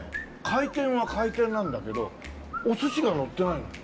回転は回転なんだけどお寿司がのってないのよ。